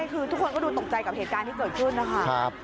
คือทุกคนก็ดูตกใจกับเหตุการณ์ที่เกิดขึ้นนะคะ